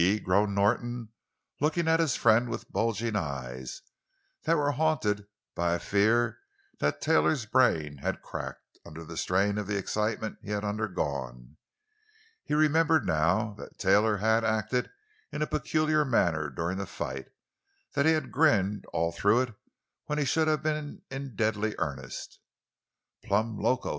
_ groaned Norton, looking at his friend with bulging eyes that were haunted by a fear that Taylor's brain had cracked under the strain of the excitement he had undergone. He remembered now, that Taylor had acted in a peculiar manner during the fight; that he had grinned all through it when he should have been in deadly earnest. "Plumb loco!"